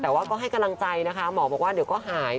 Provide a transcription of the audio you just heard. แต่ว่าก็ให้กำลังใจนะคะหมอบอกว่าเดี๋ยวก็หาย